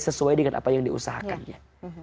sesuai dengan apa yang diusahakannya